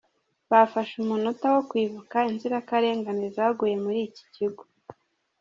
Bafashe umunota wo kwibuka inzirakarengane zaguye muri iki kigo.